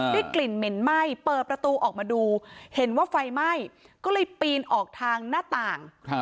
กลิ่นเหม็นไหม้เปิดประตูออกมาดูเห็นว่าไฟไหม้ก็เลยปีนออกทางหน้าต่าง